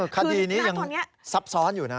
คดีนี้ยังซับซ้อนอยู่นะ